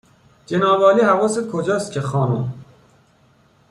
جنابعالی حواست کجاست که خانم